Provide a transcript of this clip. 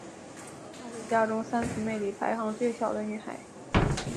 她是家中三姊妹里排行最小的女孩。